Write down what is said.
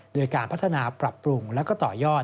โดยการพัฒนาปรับปรุงแล้วก็ต่อยอด